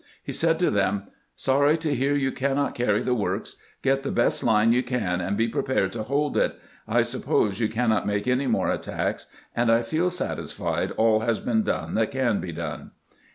He said to them :" Sorry 210 CAMPAIGNING WITH GRANT to hear you cannot carry the works. Get the best line you can and be prepared to hold it. I suppose you cannot make any more attacks, and I feel satisfied all has been done that can be done."